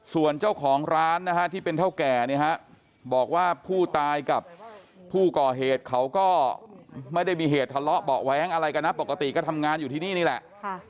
ส่วนเจ้าของร้านนะฮะที่เป็นเท่าแก่เนี่ยฮะบอกว่าผู้ตายกับผู้ก่อเหตุเขาก็ไม่ได้มีเหตุทะเลาะเบาะแว้งอะไรกันนะปกติก็ทำงานอยู่ที่นี่นี่แหละ